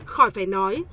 khỏi phải nói